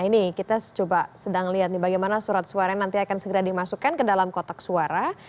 ini kita coba sedang lihat nih bagaimana surat suara nanti akan segera dimasukkan ke dalam kotak suara